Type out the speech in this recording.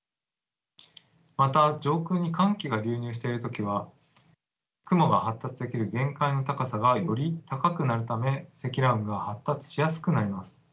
また上空に寒気が流入している時は雲が発達できる限界の高さがより高くなるため積乱雲が発達しやすくなります。